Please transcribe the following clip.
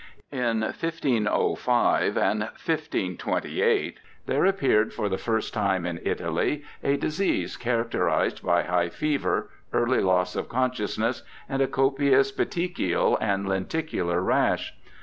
In 1505 and 1528 there appeared for the first time in Italy a disease characterized by high fever, early loss of consciousness, and a copious petechical and lenticular rash.